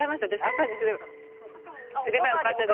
赤にすればよかったです。